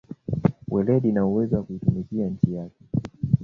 Weledi na uzalendo wa kuitumikia nchi yake